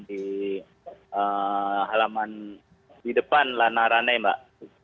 di halaman di depan lanarane mbak